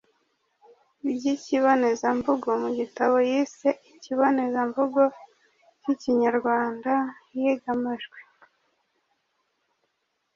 by'ikibonezamvugo mu gitabo yise ikibonezamvugo k'ikinyarwanda iyigamajwi